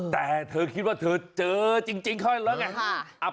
แต่เธอคิดว่าเธอเจอจริงเข้าแล้วไง